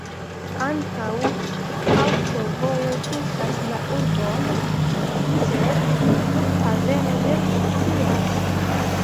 Ankaŭ aŭtovojo tuŝas la urbon, sed flughaveno ne funkcias.